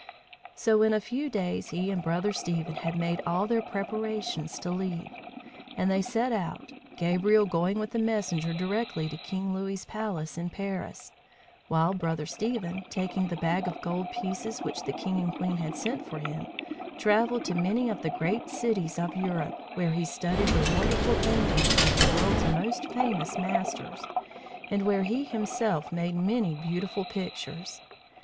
So in a few days he and Brother Stephen had made all their preparations to leave; and they set out, Gabriel going with the messenger directly to King Louis's palace in Paris; while Brother Stephen, taking the bag of gold pieces which the king and queen had sent for him, travelled to many of the great cities of Europe, where he studied the wonderful paintings of the world's most famous masters, and where he himself made many beautiful pictures.